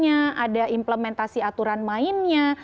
ada implementasi aturan mainnya